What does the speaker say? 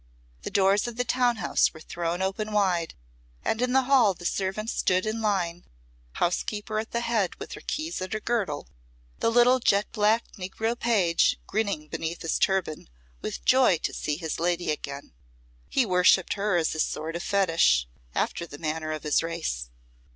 The doors of the town house were thrown open wide, and in the hall the servants stood in line, the housekeeper at the head with her keys at her girdle, the little jet black negro page grinning beneath his turban with joy to see his lady again, he worshipping her as a sort of fetich, after the manner of his race.